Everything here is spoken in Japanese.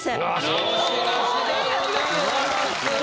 直しなしでございます。